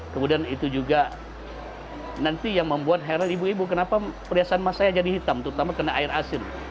kemudian itu juga nanti yang membuat heran ibu ibu kenapa perhiasan emas saya jadi hitam terutama karena air asin